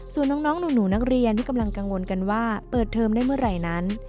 ส่วนน้องหนูนักเรียนที่กำลังกังวลกันว่าเปิดเทอมได้เมื่อไหร่นั้น